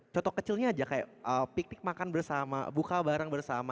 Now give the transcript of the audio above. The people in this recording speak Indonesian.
contoh kecilnya aja kayak piknik makan bersama buka bareng bersama